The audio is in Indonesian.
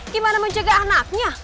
gimana menjaga anaknya